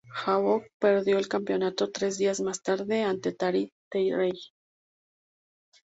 Havok perdió el campeonato tres días más tarde ante Taryn Terrell.